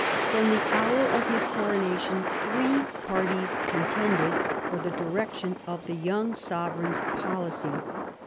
From the hour of his coronation three parties contended for the direction of the young sovereign's policy.